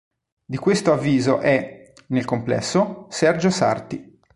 Di questo avviso è, nel complesso, Sergio Sarti.